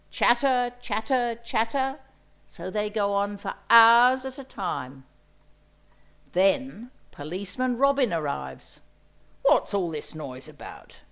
chatter, chatter, chatter! So they go on for hours at a time. Then policeman robin arrives. "What's all this noise about?"